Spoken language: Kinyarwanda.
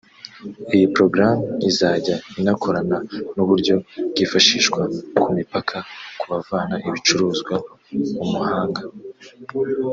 Iyi porogaramu izajya inakorana n’uburyo bwifashishwa ku mipaka ku bavana ibicuruzwa mu mahanga